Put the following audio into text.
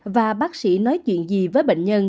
và bác sĩ nói chuyện gì với bệnh nhân